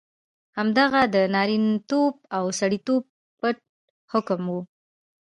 همدغه د نارینتوب او سړیتوب پت حکم وو.